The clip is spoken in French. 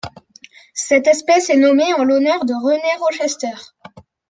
Cette espèce est nommée en l'honneur de Renee Rochester.